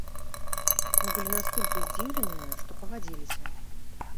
Мы былі настолькі здзіўленыя, што пагадзіліся.